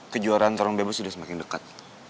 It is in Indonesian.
kejuaraan torun bebos udah semakin dekat